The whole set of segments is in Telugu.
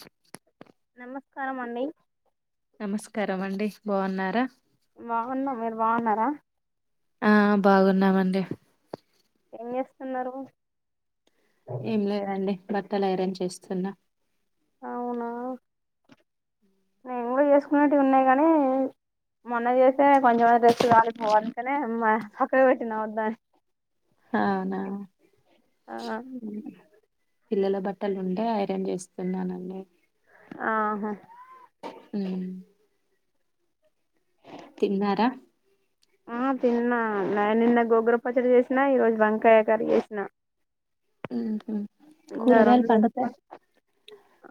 సి నమస్కారం అండి నమస్కారం అండి బాగున్నారా బాగున్నాం మీరు బాగున్నారా ఆ బాగున్నాం అండి ఏం చేస్తున్నారు ఏం లేదండి బట్టలు ఐరెన్ చేస్తున్నా అవునా ఉ [inaudible] నేను కూడా చేసుకునేటివి ఉన్నాయి కానీ మొన్నచేస్తనే కొంచెం డ్రెస్ కాలింది అందుకనే పక్కకి పెట్టిన వొద్దని అవునా పిల్లల బట్టలు ఉంటే ఐరన్ చేస్తున్నానండి ఆహా ఉమ్ తిన్నారా ఆ తిన్నా నేను నిన్న గోంగూర పచ్చడి చేసిన ఈ రోజు వంకాయ కర్రీ చేసినా ఉహుమ్ ఇంకా కూరగాయాలు రెండు పండుతాయి వేసుకొని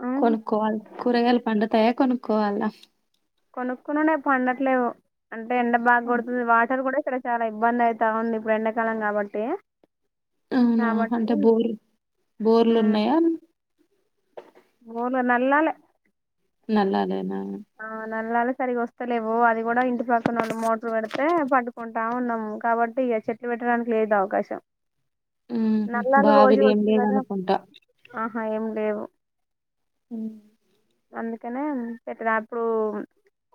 ఆ కొనుక్కోవాలి కూరగాయలు పండుతాయ కొనుక్కోవాల్నా కొనుక్కున్నునే పండట్లేవు అంటే ఎండ బాగ కొడుతుంది వాటర్ కూడా ఇక్కడ చాలా ఇబ్బంది అయిత ఉంది ఇప్పుడు ఎండాకాలం కాబట్టి అవునా కాబట్టి అంటే బోర్ బోర్లు ఊ ఉన్నాయా బోర్లు నల్లాలే నల్లా లేనా ఆ నల్లాలు సరిగా వస్తలేవు అది కూడా ఇంటి పక్కనోలు మోటర్ పెడితే పట్టుకుంటా ఉన్నాము కాబట్టి ఇగ చెట్లు పెట్టడానికి లేదు అవకాశం ఉహు నల్లాలు రోజు బావిలు ఏం వచ్చు కదా లేవనుకుంటా ఉమ్ అందుకనే పెట్టాడు అప్పుడు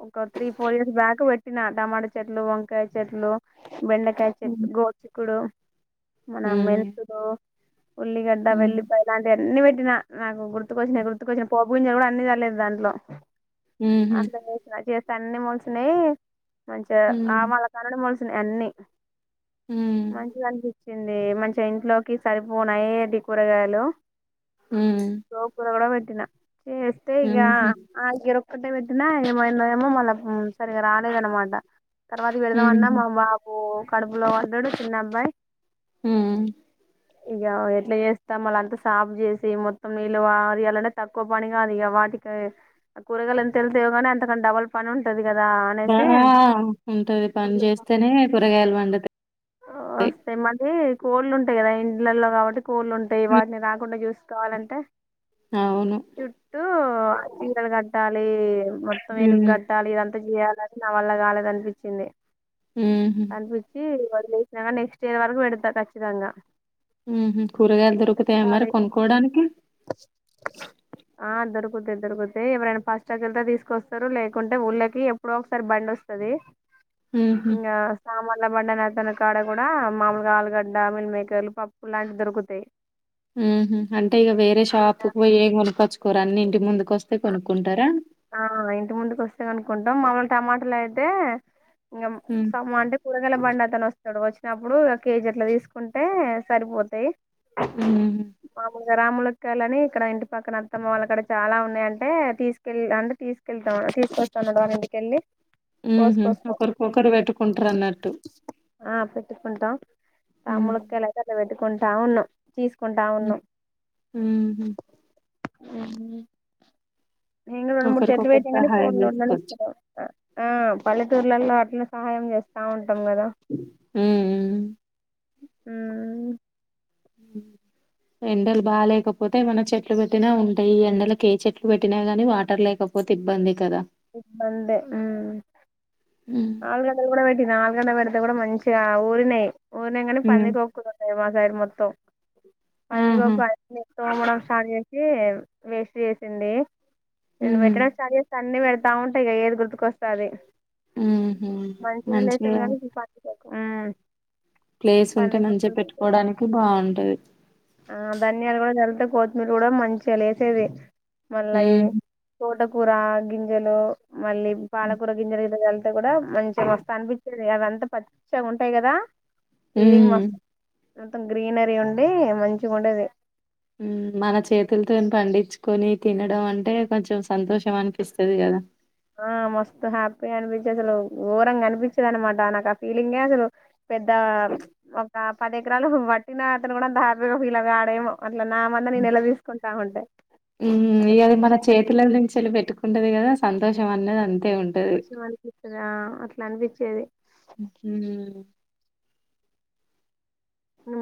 ఒక త్రీ ఫోర్ ఇయర్స్ బ్యాక్ పెట్టినా టమాట చెట్లు వంకాయ చెట్లు బెండకాయ ఉమ్ చెట్లు గోరుచిక్కుడు మన మెంతులు ఉల్లిగడ్డ ఉమ్ వెల్లిపాయ ఇలాంటివన్ని పెట్టినా నా గుర్తుకొచ్చినాయి గుర్తుకొచ్చినా పోపు గింజలు కూడా అన్ని చల్లేది దాంట్లో ఉహు అట్ల చేసిన చె స్తే అన్ని మోలిసినాయి మంచిగా ఉమ్ ఆవాల కానుంచి మోలిసినాయి అన్నీ ఉమ్ మంచిగా అనిపించింది మంచిగా ఇంట్లోకి సరిపోను అయేటివి కూరగాయలు ఉమ్ గోంగూర కూడా పెట్టినా చేస్తే ఉమ్, ఇగా ఉహు ఆగిర ఒకటే పెట్టినా ఏమోన్నదో ఏమో మళ్లా సరిగా రాలేదు అన్నమాట తర్వాత పెడదాం అన్నా హుహు. మా బాబు కడుపులో పడ్డడు చిన్న అబ్బాయి ఉమ్ ఇగ ఎట్లా చేస్తా మళ్ల అంతా సాఫ్ చేసి మొత్తం నీళ్లు వారి యాలంటే తక్కువ పని గాదు ఇగ వాటికి కూరగాయలు ఎంత ఎళ్తయోగానీ అంతకన్నా డబల్ పని ఉంటది కదా బా అనేసి ఉంటది పని చేస్తేనే కూరగాయలు పండుతాయి వస్తాయి మళ్లీ కోళ్ళు ఉంటాయి కదా ఇండ్లలో కాబట్టి కోళ్ళు ఉంటాయి హ్మ్. వాటిని రాకుండా చూసుకోవాలంటే అవును. చుట్టూ చీరలు కట్టాలి మొత్తం హ్మ్. వెనుక కట్టాలి ఇదంతా తా చేయాలని నా వల్ల కాలేదు అనిపించింది హుహు. అనిపించి చేసిన కాని నెక్స్ట్ ఇయర్ వరకు పెడుతా కచ్చితంగా ఉమ్ హు కూరగాయలు దొరుకుతాయా మరి కొనుక్కోవడానికి [unintelligible] వోతే ఎవరైనా [unintelligible] తీసుకొస్తారు లేకుంటే ఊళ్ళోకి ఎప్పుడో ఒకసారి బండి వస్తది హుహు. ఇంగ సామాన్ల బండి అనే అతను కాడ కూడా మామూలుగా ఆలుగడ్డ మిల్ మేకర్లు పప్పు లాంటివి దొరుకుతయి ఉమ్ హు అంటే ఇగ వేరే షాపు కు ఇంకా పోయి ఏం కొనుకొచ్చుకోరు అన్నీ ఇంటి ముందు ఆ ఇంటి ముందుకు వస్తే కొనుక్కుంటాం మాములుగా టమాటలు అయితే ఇంగం హ్మ్. సమ్ అంటే కూరగాయల బండి అతను వస్తాడు వచ్చి నప్పుడు కేజీ అట్లా తీసుకుంటే సరిపోతయ్ హుమ్ ఇగ రామములక్కాయలు అని ఇక్కడ ఇంటి పక్కన అత్తమ్మ వాళ్ల కాడ చాలా ఉన్నాయి అం టే తీసుకెళ్ అంటే తీసుకెళ్తాం తీసుకొస్తానన్నమాట వాళ్ళ ఇంటికెళ్ళి మ్మ్ హూ కోసుకొస్తాం ఒకరికొకరు పెట్టుకుంటరు అన్నట్టు ఆ పెట్టుకుంటాం హ్మ్. తాములక్కాయలైతే అట్ల పెట్టుకుంటా ఉన్నాం తీసుకుంటా హ్మ్. ఉన్నాం హుహు. మ్ నేను రెండు, మూడు చెట్లు ఒకరికొకరు పెట్టిన కానీ సహాయం కోళ్లు జేసుకోవచ్చు. ఉండనిస్తాలేవు ఆ పల్లెటూర్లలో అట్లా సహాయం చేస్తే ఉంటాం కదా హ్మ్. హ్మ్. ఎండలు బా లేకపోతే ఏమన చెట్లు పెట్టినా ఉంటాయి, ఎండలకుకి ఏ చెట్లు పెట్టినా గానీ వాటర్ లేక. పోత్ ఇబ్బంది కదా. ఇబ్బందే హ్మ్ ఆలుగడ్డలు కూడా పెట్టినా ఆలుగడ్డ పెడ్ పెట్టినా కూడా మంచిగా ఊరినయి, ఊరిన కానీ హ్మ్. పందికోక్కులు ఉన్నాయి మా సైడ్ మొత్తం. ఆహా పందికొక్కు అన్ని తొమడం స్టార్ట్ చేసి వేస్ట్ చేసింది నేను హ్మ్ పెట్టడం స్టార్ట్ చేస్తే అన్ని పెడతా ఉంటా ఇంగ ఏది గుర్తుకొస్తే అది ఊహూ మంచిగా లేసేది కానీ ఈ ప్లేస్ ఉంటే పందికొక్కు మంచిగా పెట్టుకోవడానికి బావుంటది. ఆ ధనియాల్ కూడా చాల్ తవ్ కొత్తిమీర కూడా మంచిగా లేసేది మళ్ళ ఇ హ్మ్ తోటకూర గింజలు మళ్ళీ పాలకూర గింజలు ఇట చల్తే కూడా మంచిగా మస్త అనిపించ అదంతా పచ్చగా ఉంటాయి కదా ఫీలింగ్ మస్ హ్మ్ మొత్తం గ్రీనరీ ఉండి మంచిగా ఉండేది మన చేతులతో పండించుకొని తినడం అంటే కొంచెం సంతోషం అనిపిస్తది కదా ఆ మస్తు హ్యాపీ అనిపి అసలు ఘోరంగా కనిపించేది అనమాట నాకు ఆ ఫీలింగే అసలు పెద్ద ఒక పది ఎకరాలు వట్టిన అతను కూడా అంతా హ్యాపీ గా ఫీల్ కాడెమో, అట్లా నా మంద నేను నిల తీసుకుంటా ఉంటే. ఉమ్ అంత ఇయల మన సంతోషంగా చేతుల అనిపించింది గుంచి వెళ్ళి పెట్టుకుంటది కదా సంతోషం అన్నది అన్ కోషెం అనిపిత్తదా అట్లనిపిచ్చేది ఊహూ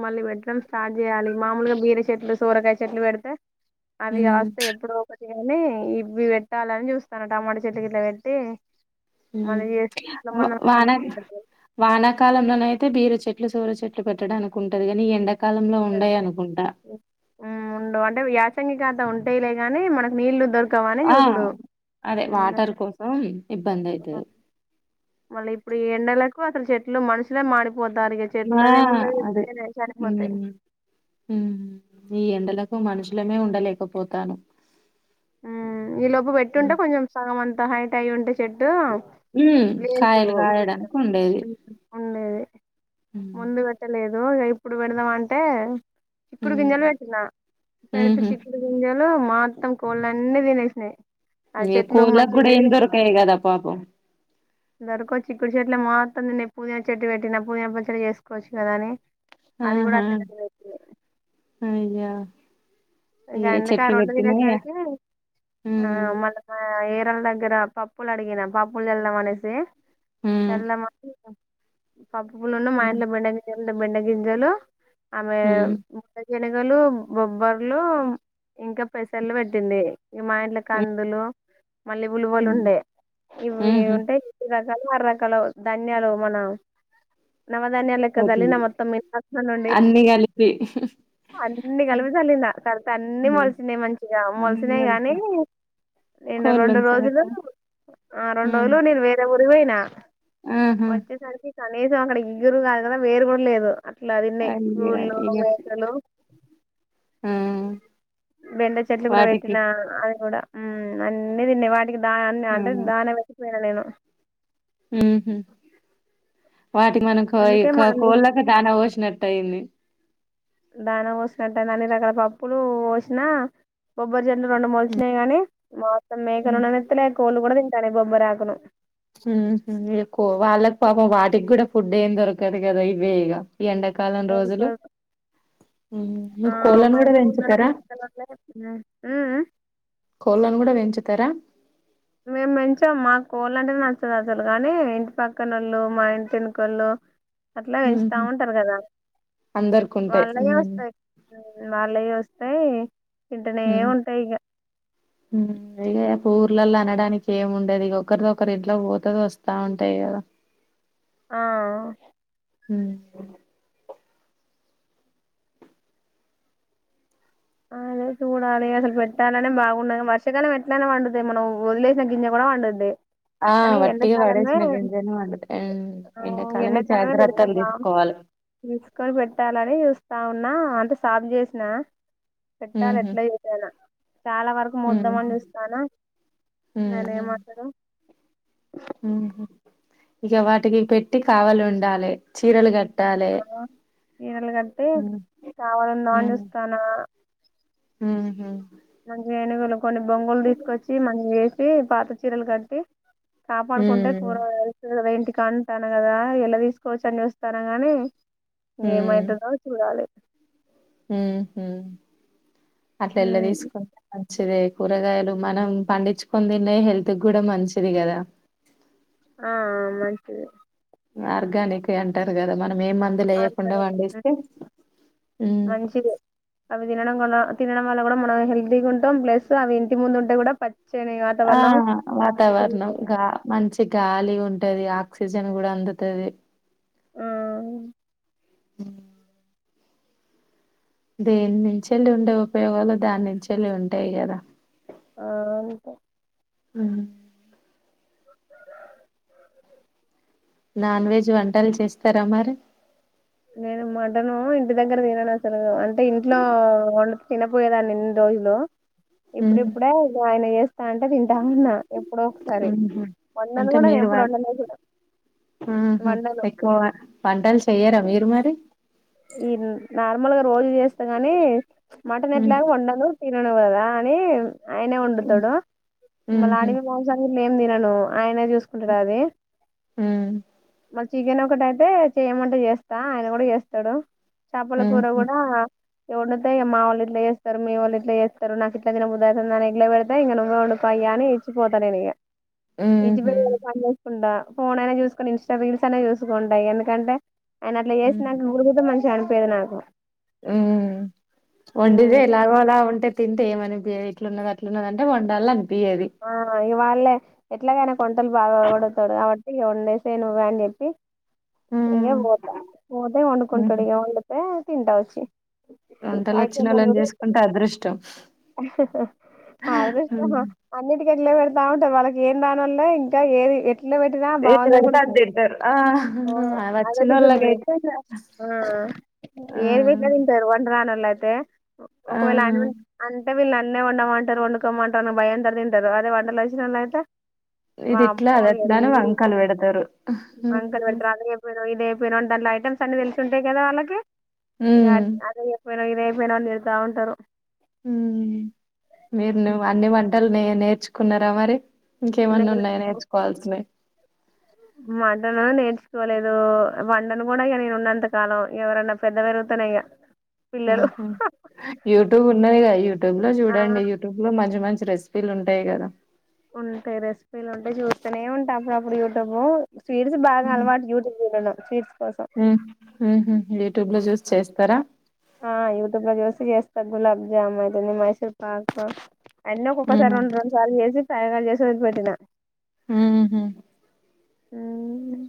మళ్ళీ పెట్టడం స్టార్ట్ చేయాలి మామూలుగా బీర చెట్లు సోరకాయ చెట్లు పెడితే అవి హ్మ్ కాస్తే ఎప్పుడో ఒక చి గాని ఇవ్వి పెట్టాలని చూస్తానా టమాటా చెట్టు గిట్లా పెట్టి ఊ మళ్ళీ చేస్తే ఇట్లా వ్ వాన మనం వానాకాలంలోనై తే బీర చెట్లు సోర చెట్లు పెట్టడానికుంటది కానీ ఈ ఎండ ఉమ్ ఉండవు అంటే యాసంగి కా త ఉంటాయిలే గానీ మనకు నీళ్లు దొరకవని ఆ! చూసుడు అదే ఊ వాటర్ కోసం ఇబ్బందయితది. మళ్ళీ ఇప్పుడు ఈ ఎండలకు అసలు చెట్లు మనుషులే మాడి పోతారు ఇగ ఆ! చెట్లుదేమున్నది అదే. [inaudible] చనిపోతాయి హ్మ్. హ్మ్. ఈ ఎండలకు మనుషులమే ఉండలేకపోతానం ఊ ఈ లోపు పెట్టుంటే కొంచెం సగం అంత హైట్ అయ్యుంటే చెట్టు హ్మ్. కాయలు గాయడానికుండేది. ఉండేది హ్మ్. ముందు పెట్టలే లోగా ఇప్పుడు పెడదాం అంటే చిక్కుడు హ్మ్. గింజలు పెట్టినా పెడితే హుహు. చిక్కుడు గింజ ఊ మాత్తం కోడ్లు అన్నీ తినేసినాయి అది ఇగ చెట్లు కోళ్ళకి మంచిగ గూడా ఏం వెరిగినయ్ దొరకయి గదా పాపం. దరకో చిక్కుడు చెట్ల మాత్తం నిన్నె పుదీనా చెట్టు పెట్టిన పుదీనా పచ్చడ చేసుకోచ్చు గదా అని అది గూడా ఆహా! అట్లనే [inaudible] అ ఇగ అందుకే ఆ రెండు తినేసరికి ఆ హ్మ్. మళ ఏరోళ దగ్గర ప ప్పులు అడిగినా పాపులు జల్లం అనేసి హ్మ్. జల్లమా [inaudible] పప్పు పూలునూ మా హ్మ్. ఇంట్లో బెండ గింజలుండె బెండ గింజలు ఆమె హ్మ్. [inaudible] నెగలు బొబ్బర్లు ఇంక పెసర్లు వెట్టింది ఇగ మా ఇంట్ల హ్మ్. కందులు, మళ్ళి ఉలువలు హ్మ్. ఉండే ఇవి హుహు. ఉంటే [inaudible] [inaudible] ఆరు రకాలు ధన్యాలు మన నవధాన్యల్ లెక్క జల్లిన కొత్తిమీర. మొత్తం [unintelligible] [inaudible] నుండి అన్ని కలిపి అన్ని కల్పి సల్లిన తరత అన్నీ మొలిసినయ్ మంచిగా అన్ని మలిసినయ్ గానీ కలిపి నేను రెండు కోళ్ళను రోజులు చేత ఆ రెండు ఉమ్, రోజులు నేను వేరే ఊరివోయినా ఆహా ఒచ్చేసరికి కనీసం అక్కడ ఇగురు గాదు గదా వేరు గూడ లేదు అట్లా దిన్నయ్ అయ్య కూల్లు ఇగ మేకలు ఆ బెండ చెట్లు గూడా వాటికి వెట్టిన అది గూడా ఉమ్ అన్ని దిన్నయ్ వా టిగి దా అన్ని ఆ అంటే దాన వట్టి పొయిన నేను ఊహు వాటికి మనకు ఈ అందుకే మా క అన్ని కోళ్ళకే దాన వోశ్నట్టు అయింది దానం వోసినట్టె అన్ని రకాల పప్పులు వోసినా బొబ్బ జెన్ను రెండు మొలిచినయ్ గానీ మోత్తం మేకనుండనిత్తలే, కోళ్ళు గూడా తింటాన్నయ్ బొబ్బరాకును. ఊహూ ఇగ కో వాళ్ళక్ పాపం వాటి గూడా ఫుడ్ ఏం దొరకదు గదా ఇవ్వే ఇగ ఎండాకాలం రోజులు దానికి ఊ ఆ మీకు కోళ్ళను మా గుడా ఇంటి ముందల వెంచుతరా మేకలున్నాయి మ్మ్ కోళ్ళను గుడా వెంచుతరా మేం పెంచాం మాక్ కోళ్ళంటేనె నచ్చదు అసలు గానీ ఇంటి పక్కనొళ్ళు మా ఇంటి ఎనకోళ్ళు అట్ల వెంచుతా ఉహు ఉంటరు గదా అందరికి ఉంటాయి వాళ్ళయే ఉమ్ ఒస్తయ్ వాళ్ళయే ఒస్ ఏయ్ తింటనే ఉమ్ ఉంటయ్ ఇగ ఊర్లల్ల అనడానికి ఏం ఉండదిగ ఒకరిదొకరు ఇంట్ల వోతది వస్తా ఉంటయ్ గదా ఆ హు అదే చూడాలి అసలు పెట్టాలనే బాగుండదు వర్షకాలం ఎట్లైన వండుతది మనం వదిలేసిన గింజ గూడా వండుద్ది. ఆ వట్టిగ వడేసిన గింజైన వండుత ఆ, ఎండాకాలమే పెడితే జాగ్రత్తల్ బా తీసుకోవాలి తీసుకొని పెట్టాలని చూస్తా ఉన్ నా అంటే సాఫ్ చేసిన పెట్టాలి ఉహు ఎట్లా చేసైనా చాలా వరకు ఉహు మోద్దామని చూస్తానా నేనే ఉహు ఏమంటరో ఉహు ఇగ వాటికి పెట్టి కావలి ఉండాలే చీరలు గట్ ఆ చీరలు కట్టీ ఉమ్ కావాలుందామని చూస్తానా ఊహు మంచిగా ఏనుగులు కొన్ని బొంగులు దీసుకొచ్చి మ [inaudible] ఏసి పాత చీరలు గట్టి కాపాడుకుంటే కూర ఉమ్ [inaudible] వేంటి కంటాన గదా ఎల్ల తీసుకోవచ్చని చూస్తాన గానీ ఇంగ ఏమైతదో చూడాలి ఊహు అట్ల ఎల్ల ఉమ్, దీసుకు [inaudible] చిదే కూరగాయలు మనం పండిచ్చుకొని తిన్నయ్ హెల్త్ గూడా మంచిది గదా ఆ ఆ మంచిదే ఆర్గానికే అంటారు గదా మనం మేం మందులు ఏయకుండా ఆర్గానిక్ పండిస్తే మంచిది అవి తినడం వల్ల తినడం వల్ల కూడా మనం హెల్తీగా ఉంటాం ప్లస్ అవి ఇంటి ముందు ఉంటే కూడా ప ఆ వాతావరణం కదా గా మంచి గాలి ఉంటది ఆక్సిజన్ కూడా అందుతది ఆ అ దేని నుంచేళ్ళి ఉండే ఉపయోగాలు దాని నుంచెళ్ళి ఉంటాయి కదా ఆ అంతే ఆ నాన్ వెజ్ వంటలు చేస్తారా మరి నేను మటను ఇంటి దగ్గర తినను అసలు అంటే ఇంట్లో వండితే తినపోయేదాన్ని ఇన్ని రోజులు మ్మ్ ఇప్పుడిప్పుడే ఆయన చేస్తా అంటే తింటాన్నా ఎప్పుడో ఒకసారి వండను కూడా నేను ఎప్పుడు వండలే కూడా ఆహ వండను ఎక్కువ వంటలు చెయరా మీరు మరి ఈ నార్మల్గా రోజు చేస్తా గని మటన్ మ్మ్ ఎట్లాగ వండను తినను గద అని ఆయనే వండుతాడు మళ మ్మ్ మ్మ్ అడిగి ఓసారి నేను ఏం తినను ఆయనే చూసుకుంటడు అది ఆ చికెన్ ఒకటైతే చేయమంటే చేస్తా ఆయన కూడా చేస్తాడు చేపల కూర మ్మ్ కూడా వండుతే ఇగ మా వొళ్ళు ఇట్లా చేస్తారు మీ వోళ్ళు ఇట్ల చేస్తారు నాకు ఇట్లా తినబుద్దైతుందని ఇగ్లవెడితే ఇంక నువ్వే వండుకో పైకాని ఇచ్చిపోతానే నిగ మ్మ్ కుండా ఫోన్ అయినా చూసుకుని ఇన్స్టా రీల్స్ అన్న చూసుకుంటాయి ఎందుకంటే ఆయన అట్లా మ్మ్ చేసిన మంచిగా అనిపీయదు నాకు ఉమ్ వండిదే ఎలాగో అలా ఉంటె తింటె ఏమని పియాది ఇట్లున్నది అట్లున్నది అంటే వండాలన్ ఆ ఇగవాళ్ళే ఎట్లాగైన నాకు వొంటలు బాగా వండుతాడు కావ ఇగ వన్డేసేయి నువ్వే అని చెప్పి ఇక ఉహు పోత పోతే వండుకుంటుడు ఇగ వండుతే తింటావచ్చి వంటలు వచ్చిన నోళ్లను చేసుకుంటే అదృష్టం అదృష్టమా అన్నిటి ఎట్లే పెడతా ఉంటారు వాళ్ళకి ఏం దానోల్లే ఇంకా ఏది ఎట్ ఇళ్ల పెటరా ఏది బాగుంది పెడితే అనుకుంట అది తింటారు ఆ ఆ అదొకతుంది వచ్చినోళ్ళకైతే ఆ ఆ ఏది వెట్టిన తింటారు వంట రానోళ్ళు అయితే ఆ ఒకవేళ అ అంటే వీళ్ళు నన్నెమన్న వంటరు వండుకోమంటారు అని భయంతోని తింటారు అదే వంటలు వచ్చినోళ్లు అయితే ఇది ఇట్లా వామ్మో అది ఇగ అట్లా అని వీళ్ళు వంకలు పెడతారు వంకల్ ఉమ్ వెడుతారు అదేయపెనవ్ ఇదే విరోంటన్ల ఐటెమ్స్ అన్ని తెలిసి ఉంటాయి కదా వాళ్ళకి ఇక ఉమ్ అ పోయినవు ఇది ఎయపోయినావు అని తిడత ఉంటరు మీరు నువ్ అన్ని వంటలు నే నేర్చుకున్నారా మరి ఇంకేమన్న ఉన్నాయా నేర్చుకోవాల్సినయి మటను నేర్చుకోలేదు వండను కూడా నేను ఉన్నంతకాలం ఎవరన్నా పెద్దవేరు గుతనే ఇయ ఆహా యూట్యూబ్ ఉన్నది కదా యూట్యూబ్ ల ఆ చూడండి యూట్యూబ్ లో మంచి మంచి రెసిపీలు ఉంటాయి కదా ఉంటా రెసిపీలు ఉంటా చూస్తనే ఉంటా అప్పుడప్పుడు యూట్యూబ్ స్వీట్స్ బాగా అలవాటు యూట్యూబ్ చూడను స్వీట్స్ కోసం హు హు యూట్యూబ్ లో చూసి చేస్తారా ఆ యూట్యూబ్ లో చూసి చేస్తా గులాబ్ జామున్ అయితుంది మైసూర్ పాక్ అన్నీ ఒక్కొక్కసారి ఉహు రెండు రెండు సార్లు చేసి ప్రయోగాలు చేసి వదిలి పెట్టిన ఉహు మ్